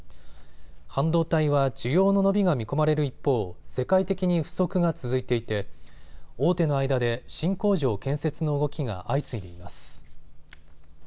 半導体は需要の伸びが見込まれる一方、世界的に不足が続いていて大手の間で新工場建設の動きが相次いでいます。